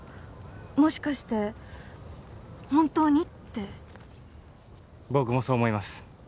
もしかして本当にって。僕もそう思います。